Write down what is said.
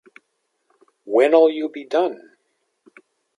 When'll you be done?